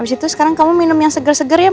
bisa buka dulu matanya